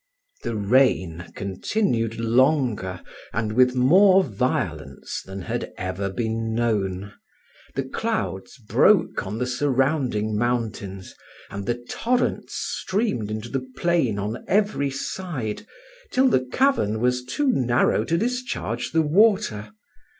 The rain continued longer and with more violence than had ever been known; the clouds broke on the surrounding mountains, and the torrents streamed into the plain on every side, till the cavern was too narrow to discharge the water.